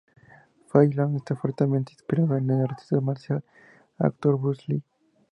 Fei Long Está fuertemente inspirado en el artista marcial y actor Bruce Lee.